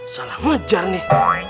salah ngejar nih